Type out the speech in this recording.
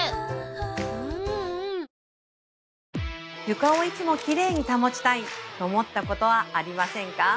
床をいつもきれいに保ちたいと思ったことはありませんか？